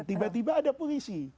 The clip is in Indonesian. tiba tiba ada polisi